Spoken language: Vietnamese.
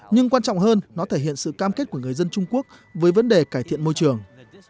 nhưng quan trọng hơn nó thể hiện sự cam kết của người dân trung quốc với vấn đề cải thiện môi trường